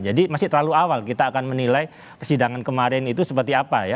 jadi masih terlalu awal kita akan menilai persidangan kemarin itu seperti apa ya